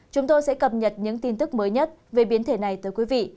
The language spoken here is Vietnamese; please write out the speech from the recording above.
chúng tôi sẽ cập nhật những tin tức mới nhất về biến thể này tới quý vị